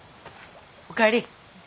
お帰り。